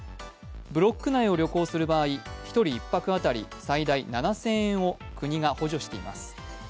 ブロック内を旅行する場合１人１泊あたり最大７０００円を国が補助しています。